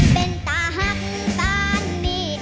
เป็นตาหักตานนี่